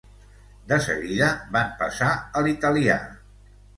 De seguida van passar a l'italià...